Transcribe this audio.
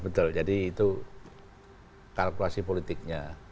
betul jadi itu kalkulasi politiknya